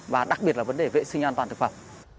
và đặc biệt là vấn đề vệ sinh an toàn thực phẩm